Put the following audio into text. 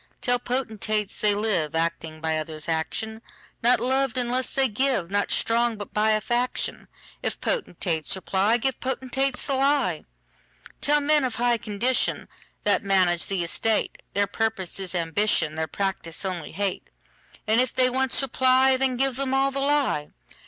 Tell potentates, they liveActing by others' action; Not loved unless they give, Not strong, but by a faction:If potentates reply, Give potentates the lie. Tell men of high condition, That manage the estate, Their purpose is ambition, Their practice only hate:And if they once reply, Then give them all the lie.